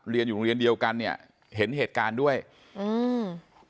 เรียนอยู่โรงเรียนเดียวกันเนี้ยเห็นเหตุการณ์ด้วยอืม